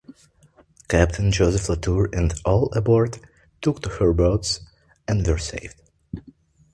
Captain Joseph Latour and all aboard took to her boats and were saved.